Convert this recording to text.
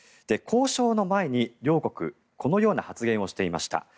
交渉の前に両国このような発言をしていました。